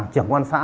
trưởng quan xã